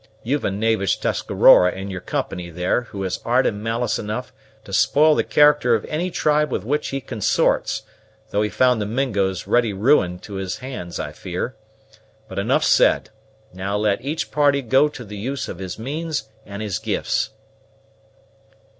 You've a knavish Tuscarora in your company there, who has art and malice enough to spoil the character of any tribe with which he consorts, though he found the Mingos ready ruined to his hands, I fear. But enough said; now let each party go to the use of his means and his gifts."